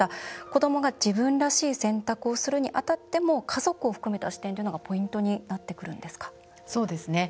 子どもが自分らしい選択をするにあたっても家族を含めた視点ということがポイントになってくるんですか？